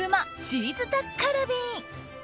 チーズタッカルビ。